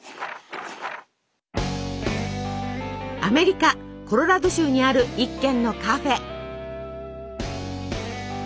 アメリカコロラド州にある１軒のカフェ。